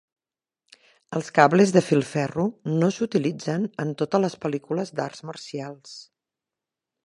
Els cables de filferro no s'utilitzen en totes les pel·lícules d'arts marcials.